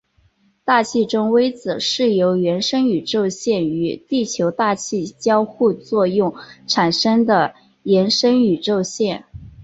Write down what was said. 大气中微子是由原生宇宙线与地球大气交互作用产生的衍生宇宙线。